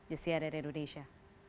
di cnn indonesia